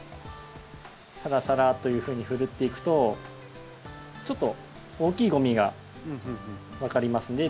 サラサラというふうにふるっていくとちょっと大きいゴミが分かりますね。